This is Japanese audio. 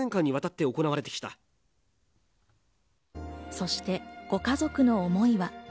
そしてご家族の思いは。